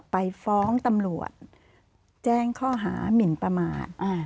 ไปฟ้องตำรวจแจ้งข้อหามินประมาท